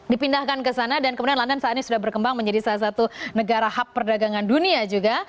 dipindahkan ke sana dan kemudian london saat ini sudah berkembang menjadi salah satu negara hub perdagangan dunia juga